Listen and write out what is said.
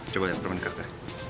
coba liat permen karetnya